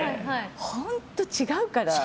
本当、違うから！